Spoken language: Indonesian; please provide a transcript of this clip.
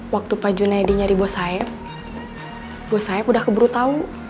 waktu pak junaidi nyari bos saeb bos saeb udah keburu tau